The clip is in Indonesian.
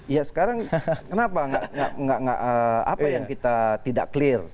ya sekarang kenapa apa yang kita tidak clear